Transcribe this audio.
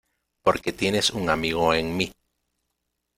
Porque tienes un amigo en mí.